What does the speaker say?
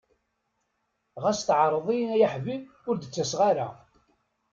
Ɣas tɛerḍeḍ-iyi ay aḥbib, ur d-ttaseɣ ara.